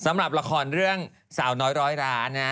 สำหรับละครเรื่องสาวน้อยร้อยล้านนะ